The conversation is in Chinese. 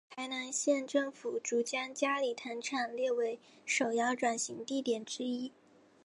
台南县政府遂将佳里糖厂列为首要转型地点之一。